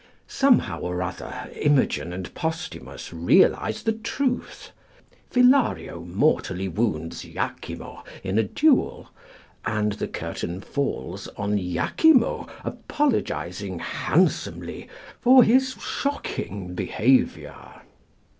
Somehow or other Imogen and Posthumus realise the truth; Philario mortally wounds Iachimo in a duel, and the curtain falls on Iachimo apologising handsomely for his shocking behaviour.